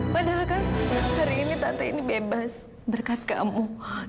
padahal kan hari ini tante ini bebas berkat keemu